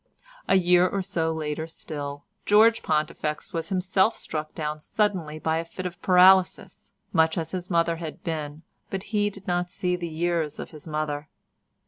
A year or so later still, George Pontifex was himself struck down suddenly by a fit of paralysis, much as his mother had been, but he did not see the years of his mother.